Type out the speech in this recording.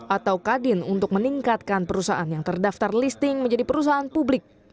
atau kadin untuk meningkatkan perusahaan yang terdaftar listing menjadi perusahaan publik